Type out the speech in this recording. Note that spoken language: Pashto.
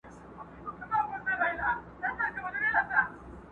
وجود به پاک کړو له کینې او له تعصبه یاره.